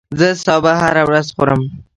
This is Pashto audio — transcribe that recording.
زه سابه هره ورځ خورم